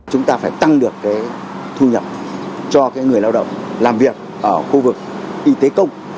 chúng ta phải tăng được cái thu nhập cho người lao động làm việc ở khu vực y tế công